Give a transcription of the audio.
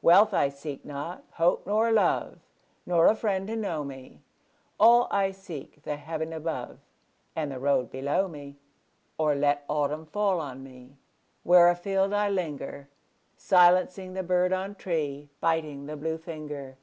Wealth I seek not, hope nor love, Nor a friend to know me; All I seek, the heaven above And the road below me. Or let autumn fall on me Where afield I linger, Silencing the bird on tree, Biting the blue finger.